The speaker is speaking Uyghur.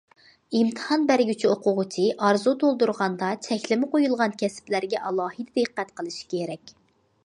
ئىمتىھان بەرگۈچى ئوقۇغۇچى ئارزۇ تولدۇرغاندا چەكلىمە قويۇلغان كەسىپلەرگە ئالاھىدە دىققەت قىلىشى كېرەك.